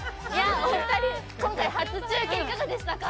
今回、初中継いかがでしたか？